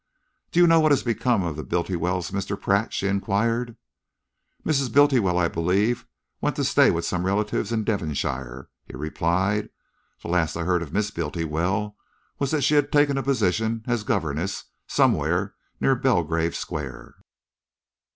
"Do you know what has become of the Bultiwells, Mr. Pratt?" she enquired. "Mrs. Bultiwell, I believe, went to stay with some relatives in Devonshire," he replied. "The last I heard of Miss Bultiwell was that she had taken a position as governess somewhere near Belgrave Square."